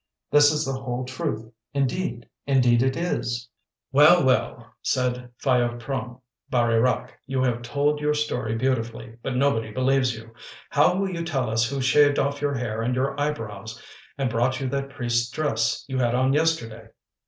This is the whole truth. Indeed, indeed, it is!" "Well, well!" said P'hayaprome Baree Rak, "you have told your story beautifully, but nobody believes you. How will you tell us who shaved off your hair and your eyebrows, and brought you that priest's dress you had on yesterday?"